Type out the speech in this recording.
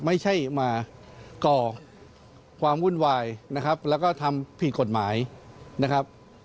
ไม่ใช่มาก่อความวุ่นวายนะครับแล้วก็ทำผิดกฎหมายนะครับ